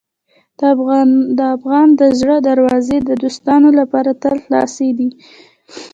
د افغان د زړه دروازې د دوستانو لپاره تل خلاصې دي.